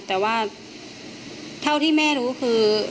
แต่ว่าเท่าที่แม่รู้คือ